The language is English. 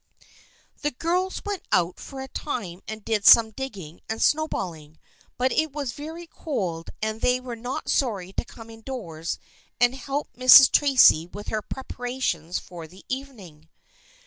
The girls went out for a time and did some dig ging and snowballing, but it was very cold and they were not sorry to come indoors and help Mrs. Tracy with her preparations for the evening.